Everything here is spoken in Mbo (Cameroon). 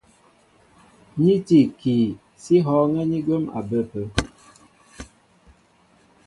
Ní tí ikii, sí hɔ̄ɔ̄ŋɛ́ ni gwɛ̌m a bə ápə̄.